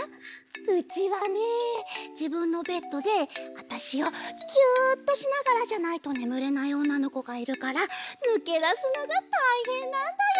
うちはねじぶんのベッドであたしをギュっとしながらじゃないとねむれないおんなのこがいるからぬけだすのがたいへんなんだよ。